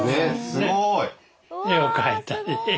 すごい！